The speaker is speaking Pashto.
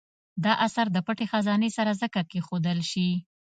دا اثر د پټې خزانې سره ځکه کېښودل شي.